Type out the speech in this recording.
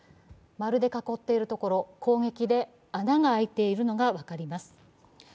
丸で囲っているところ、攻撃で穴が開いているのが分かります。